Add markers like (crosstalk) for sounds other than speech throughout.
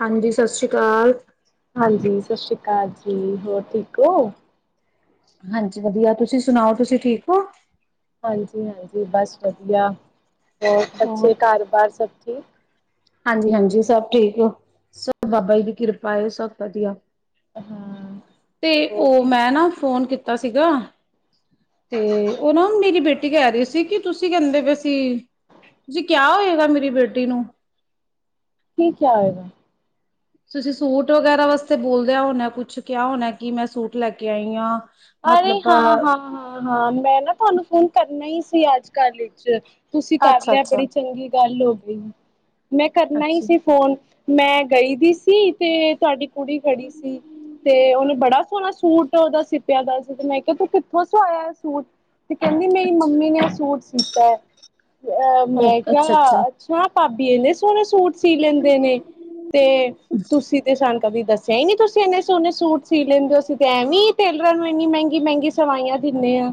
ਹਾਂਜੀ, ਸਤਿ ਸ਼੍ਰੀ ਅਕਾਲ। ਹਾਂਜੀ ਸਤਿ ਸ੍ਰੀ ਅਕਾਲ ਜੀ ਹੋਰ ਠੀਕ ਹੋ? ਹਾਂਜੀ ਵਧੀਆ, ਤੁਸੀਂ ਸੁਣਾਓ, ਤੁਸੀਂ ਠੀਕ ਹੋ? ਹਾਂਜੀ-ਹਾਂਜੀ, ਬਸ ਵਧੀਆ। ਹੋਰ ਬੱਚੇ, ਘਰ-ਬਾਰ ਸਭ ਠੀਕ। ਹਾਂਜੀ ਹਾਂਜੀ ਸਭ ਠੀਕ ਹੋ,। ਸਭ ਬਾਬਾ ਜੀ ਦੀ ਕਿਰਪਾ ਏ ਸਭ ਵਧੀਆ। ਹਾਂ ਤੇ ਹੋਰ ਉਹ ਕੀ ਮੈਂ ਨਾ ਫੋਨ ਕੀਤ- ਕੀਤਾ ਸੀਗਾ। ਤੇ ਉਹ ਨਾ ਮੇਰੀ ਬੇਟ- ਤੇ ਕਹਿ ਰਹੀ ਸੀ, ਕਿ ਤੁਸੀਂ ਕਹਿੰਦੇ ਪਏ ਸੀ। ਜੀ ਕਿਆ ਹੋਏਗਾ, ਮੇਰੀ ਬੇਟੀ ਨੂੰ ਕੀ ਕਿਆ ਹੋਏਗਾ। ਤੁਸੀਂ ਸੂਟ- ਵਗੈਰਾ ਵਾਸਤੇ ਬੋਲਿਆ ਹੋਣਾ ਕੁਛ ਕਿਹਾ ਹੋਣਾ ਕਿ ਮੈਂ ਸੂਟ ਲੈ ਕੇ ਆਈ ਆਂ। ਅਰੇ ਹਾਂ- ਹਾਂ -ਹਾਂ- ਹਾਂ ਮੈਂ ਨਾ ਤੁਹਾਨੂੰ ਫੋਨ ਕਰਨਾ ਈ ਸੀ। ਜੀ ਅੱਜ-ਕੱਲ੍ਹ 'ਵਿਚ ਤੁਸੀਂ ਕਰ ਲਿਆ ਅੱਛਾ-ਅੱਛਾ। ਬੜੀ ਚੰਗੀ ਗੱਲ ਹੋ (unintelligible) ਮੈਂ ਕਰਨਾ ਈ ਅੱਛਾ ਸੀ ਅੱਛਾ ਫੋਨ। ਮੈਂ ਗਈ ਦੀ ਸੀ ਤੇ ਤੁਆਡੀ- ਕੁੜੀ ਖੜੀ ਸੀ, ਤੇ ਓਨੇ ਬੜਾ ਸੋਹਣਾ ਸੂ- ਸੂਟ ਓਦਾ ਸਿਪ- ਪਿਆ ਦਾ ਸੀ ਤੇ ਮੈਂ ਕਿਹਾ ਤੂੰ ਕਿੱਥੋਂ ਸਵਾਇਆ ਏ ਸੂਟ? ਤੇ ਕਹਿੰਦੀ ਮੇਰੀ ਅੱਛਾ, ਮੰਮੀ ਨੇ ਏ ਸੂਟ- ਸੀਤਾ ਏ। ਅ ਓ ਮੈਂ ਕਿਆ ਅੱਛਾ-ਅੱਛਾ ਅੱਛਾ। ਭਾਬੀ ਏਨੇ ਸ ਸੋਹਣੇ ਸੂਟ ਸੀ ਲੈਂਦੇ ਨੇ, ਤੇ ਤੁਸੀਂ ਤੇ ਸਾਨੂੰ ਕਦੀ ਦੱਸ ਸਿਆ ਨਹੀਂ ਤੁਸੀਂ- ਸੋਨੇ ਸੋਹਣੇ ਸੂਟ ਸੀ ਲੈਂਦੇ। ਅਸੀ ਤੇ ਐਵੇਂ ਟੇ- ਇੰਨੀ ਮਹਿੰਗੀ ਮਹਿੰਗੀ ਸਵਾਈਆਂ ਦਿੰਦੇ ਆਂ।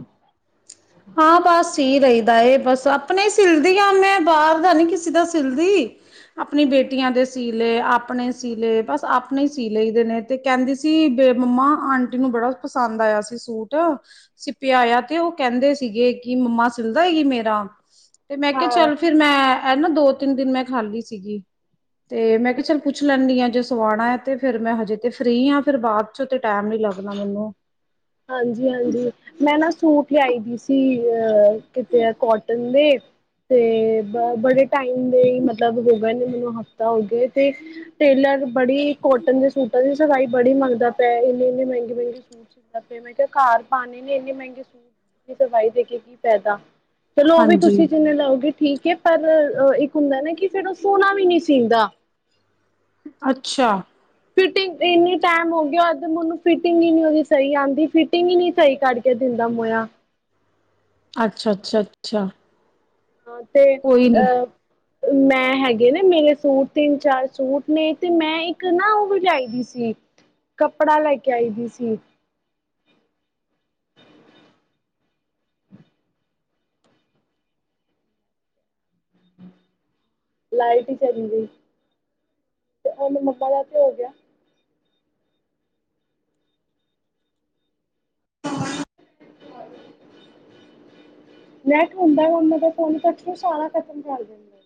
ਹਾਂ ਬਸ ਸੀ ਲਈਦਾ ਏ। ਬਸ ਆਪਣੇ ਈ ਸਿਲਦੀ ਆ ਮੈਂ ਬਾਹਰ ਦਾ ਨੀ ਕਿਸੇ ਦਾ ਸਿਲਦੀ। ਆਪਣੀ ਬੇਟੀਆਂ ਦੇ ਸੀ ਲਏ, ਆਪਣੇ ਸੀ ਲਏ, ਬਸ ਆਪਣੇ ਈ ਸੀ ਲਈਦੇ ਨੇ। ਤੇ ਕਹਿੰਦੀ ਸੀ ਬੇ ਮੰਮਾ ਆਂਟੀ ਨੂੰ ਬੜਾ ਪਸੰਦ ਆਇਆ ਸੀ ਸੂਟ। ਸਿਪ ਆਇਆ ਤੇ ਉਹ ਕਹਿੰਦੇ -ਸ ਸੀਗੇ ਕਿ ਮੰਮਾ ਸਿਲ ਦਏਗੀ ਮੇਰਾ? ਤੇ ਮੈਂ ਕਿਹਾ ਹਾਂ ਚੱਲ ਫਿਰ ਮੈਂ ਨਾ ਏ ਦੋ- ਤਿੰਨ ਦਿਨ ਮੈਂ ਖਾਲੀ ਸੀਗੀ ਤੇ ਮੈਂ ਕਿਹਾ ਚੱਲ ਪੁੱਛ ਲੈਂਣੀ ਆਂ ਜੇ ਸਵਾਣਾ ਏ ਤੇ ਫਿਰ ਮੈਂ ਹਜੇ ਤੇ ਫ੍ਰੀ ਆਂ ਫਿਰ ਬਾਅਦ' ਚ ਤੇ ਟੈਮ ਨੀ ਲੱਗਣਾ ਮਿਨੂੰ। ਹਾਂਜੀ ਹਾਂਜੀ ਤੇ ਅ ਕਿਤੇ ਆ ਕੋਟਨ- ਤੇ ਬੜੇ ਟਾਈਮ ਦੇ ਮਤਲਬ ਹੋਨ ਮੈਨੂੰ ਹਫ਼ਤਾ ਹੋ ਗ ਤੇ ਟੇਲਰ ਬੜੀ ਕੋਟਨ ਦੇ ਸੂਟਾਂ ਦੀ ਸਵਾਈ ਬੜੀ ਮੰਗਦਾ ਪਿਆ ਇਨੇ ਇਨੇ ਮਹਿੰਗੇ ਮਹਿੰਗੇ ਸੂਟ ਸੀ। ਮੈਂ ਕਿਹਾ ਘਰ ਪਾਉਂਣੀ ਨ ਇੰਨੀ ਮਹਿੰਗੀ ਸੂਟ ਸਵਾਈ ਦੇ ਕੇ ਕੀ ਫੈਦਾ? ਚਲੋ ਉਹ ਵੀ ਤੁਸੀਂ ਹਾਂਜੀ ਜਿੰਨੇ ਲਓਗੇ? ਠੀਕ ਹੈ ਪਰ ਇੱਕ ਹੁੰਦਾ ਨਾ ਕਿ ਫੇਿਰ ਉਹ ਸੋਹਣਾ ਵੀ ਨਹੀਂੀ ਸੀਂਦਾ। ਅੱਛਾ। ਫਿਟਿੰਗ ਇੰਨੀ ਟਾਈਮ ਹੋ ਮਨੂੰ ਫਿਟਿੰਗ ਹੀ ਨੀ ਉਹਦੀ ਸਹੀ ਆਉਂਦੀ ਫਿਟਿੰਗ ਹੀ ਨੀ ਸਹੀ ਕਰਕੇ ਦਿੰਦਾ ਮੋਇਆ ਅੱਛਾ ਅੱਛਾ ਅੱਛਾ। ਹਾਂ ਤੇ ਕੋਈ ਨੀ ਅਹ। ਮੈਂ ਹੈਗੇ ਨਾ ਮੇਰੇ ਸੂਟ ਤਿੰਨ ਚਾਰ ਸੂਟ ਨੇ ਤੇ ਮੈਂ ਇੱਕ ਨਾ ਉਹ ਲਿਆਈ ਦੀ ਸੀ ਕੱਪੜਾ ਲੈ ਕੇ ਆਈ ਦੀ ਸੀ। ਲਾਈਟ ਹੀ ਚੱਲ ਗਈ ਤੇ ਉਹ ਮੰਮਾ ਦਾ ਤੇ ਹੋ ਗਿਆ। ਨੈਟ ਹੁੰਦਾ ਹੈ ਉਹਨਾਂ ਦਾ ਫੋਨ ਕ ਰੂ ਸਾਰਾ ਖਤਮ ਕਰ ਦਿੰਦਾ।